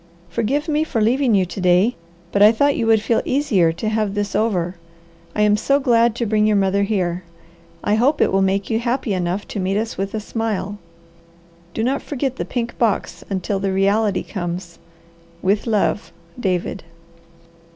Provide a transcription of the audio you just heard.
Forgive me for leaving you to day, but I thought you would feel easier to have this over. I am so glad to bring your mother here. I hope it will make you happy enough to meet us with a smile. Do not forget the pink box until the reality comes. With love, DAVID.